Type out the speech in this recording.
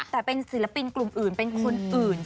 แต่เป็นศิลปินกลุ่มอื่นเป็นคนอื่น